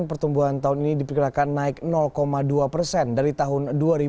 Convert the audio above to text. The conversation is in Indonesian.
pertumbuhan tahun ini diperkirakan naik dua persen dari tahun dua ribu dua puluh